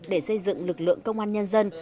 để xây dựng lực lượng công an nhân dân